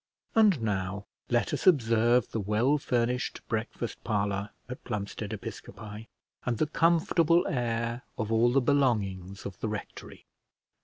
And now let us observe the well furnished breakfast parlour at Plumstead Episcopi, and the comfortable air of all the belongings of the rectory.